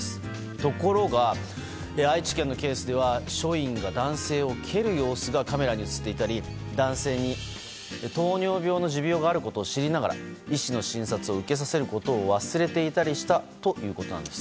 ところが、愛知県のケースでは署員が男性を蹴る様子がカメラに映っていたり男性に糖尿病の持病があることを知りながら医師の診察を受けさせることを忘れていたということです。